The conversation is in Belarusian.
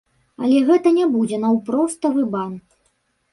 Але гэта не будзе наўпроставы бан.